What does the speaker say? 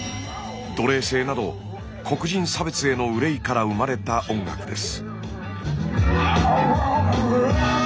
奴隷制など黒人差別への憂いから生まれた音楽です。